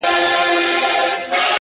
ویل زه که یو ځل ولاړمه ورکېږم!.